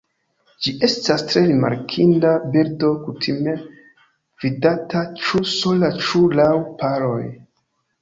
Ĝi estas tre rimarkinda birdo kutime vidata ĉu sola ĉu laŭ paroj.